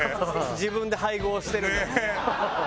自分で配合してる。ねえ。